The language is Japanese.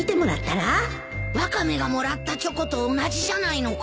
ワカメがもらったチョコと同じじゃないのか？